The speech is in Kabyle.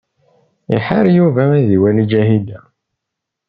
Iḥar Yuba ad iwali Ǧahida.